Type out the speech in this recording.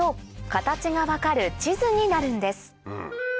形が分かる地図になるんです